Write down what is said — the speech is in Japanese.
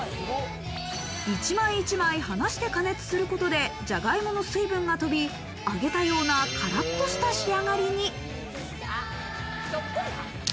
一枚一枚離して加熱することでじゃがいもの水分が飛び、揚げたようなカラっとした仕上がりに。